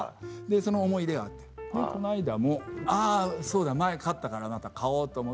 その思い出があってこの間もあぁそうだ前買ったからまた買おうと思って。